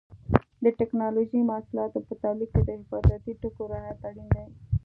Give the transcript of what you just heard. د ټېکنالوجۍ محصولاتو په تولید کې د حفاظتي ټکو رعایت اړین دی.